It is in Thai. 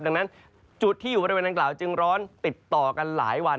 ดังนั้นจุดที่อยู่บริเวณดังกล่าวจึงร้อนติดต่อกันหลายวัน